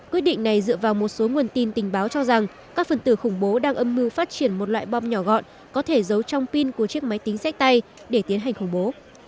quyết định này dựa vào một số nguồn tin tình báo cho rằng các phần tử khủng bố đang âm mưu phát triển một loại bom nhỏ gọn có thể giấu trong pin của chiếc máy tính sách tay để tiến hành khủng bố